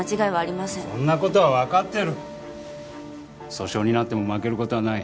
訴訟になっても負ける事はない。